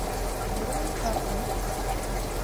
Bir gün kakam